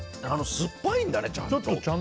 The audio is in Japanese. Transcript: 酸っぱいんだね、ちゃんと。